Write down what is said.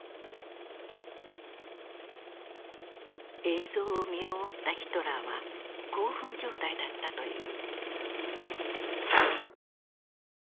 映像を見終わったヒトラーは興奮状態だったという。